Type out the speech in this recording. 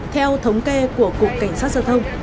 theo thống kê của cục cảnh sát giao thông